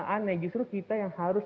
aneh justru kita yang harus